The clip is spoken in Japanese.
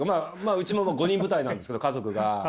うちも５人部隊なんですけど家族が。